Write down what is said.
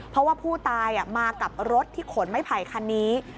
เพราะว่าผู้ตายมากับรถที่ขนไม้ไผ่คันนี้